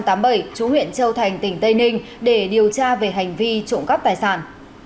trú huyện châu thành tỉnh tây ninh để điều tra về hành vi trộm cắp tài sản